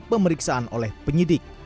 pemeriksaan oleh penyidik